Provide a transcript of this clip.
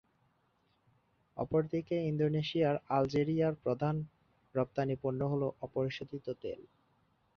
অপরদিকে ইন্দনেসিয়ায় আলজেরিয়ার প্রধান রপ্তানি পণ্য হল অপরিশোধিত তেল